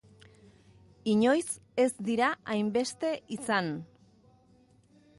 Inoiz ez dira hainbeste izan.